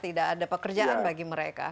tidak ada pekerjaan bagi mereka